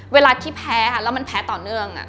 เวลาที่แพ้แล้วมันแพ้ต่อเนื่อง